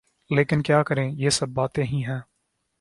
لیکن کیا کریں یہ سب باتیں ہی ہیں۔